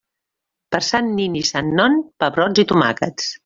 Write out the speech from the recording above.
Per Sant nin i Sant Non, pebrots i tomàquets.